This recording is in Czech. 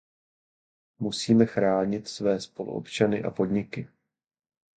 Musíme chránit své spoluobčany a podniky.